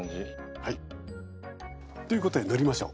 ということで塗りましょう。